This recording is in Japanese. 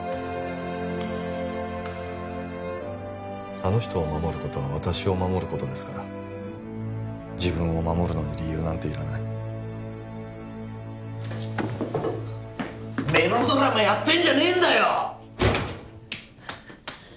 あの人を守ることは私を守ることですから自分を守るのに理由なんていらないメロドラマやってんじゃねえんだよ！